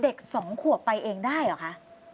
เด็กสองขัวไปเองได้หรือคะ